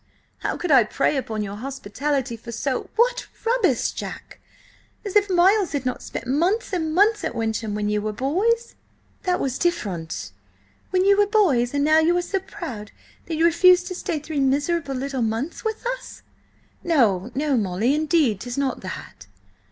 How could I prey upon your hospitality for so—" "What rubbish, Jack! As if Miles had not spent months and months at Wyncham when you were boys—" "That was different—" "—when you were boys, and now you are so proud that you refuse to stay three miserable little months with us—" "No, no, Molly; indeed, 'tis not that!"